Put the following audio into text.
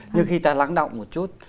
nhưng khi ta lắng động một chút